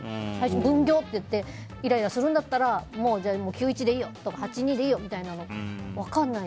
分業って言ってイライラするんだったら９：１でいいよとか８：２でいいよとか。